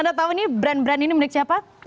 anda tahu ini brand brand ini milik siapa